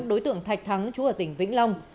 đối tượng thạch thắng chú ở tỉnh vĩnh long